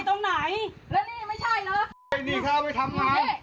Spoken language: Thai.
ของมันอยู่นี่แล้วมึงลากมาทำไม